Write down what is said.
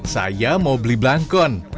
saya mau beli blangkon